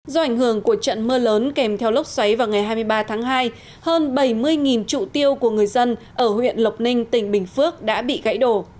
do ảnh hưởng của trận mưa lớn kèm theo lốc xoáy vào ngày hai mươi ba tháng hai hơn bảy mươi trụ tiêu của người dân ở huyện lộc ninh tỉnh bình phước đã bị gãy đổ